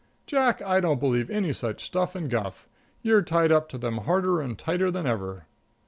"Jack, I don't believe any such stuff and guff. You're tied up to them harder and tighter than ever."